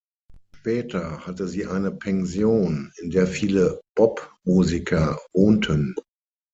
Später hatte sie eine Pension in der viele Bop-Musiker wohnten.